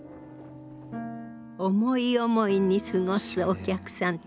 思い思いに過ごすお客さんたち。